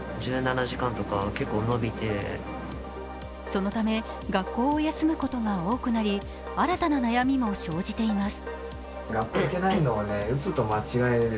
そのため学校を休むことが多くなり新たな悩みも生じています。